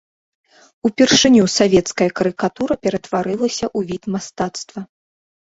Упершыню савецкая карыкатура ператварылася ў від мастацтва.